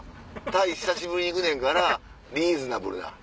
タイ久しぶりに行くねんからリーズナブルな。